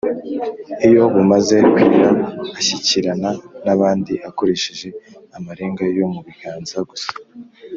Iyo bumaze kwira ashyikirana n’abandi akoresheje amarenga yo mu biganza gusa